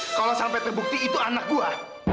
kalau sampai terbukti itu anak buah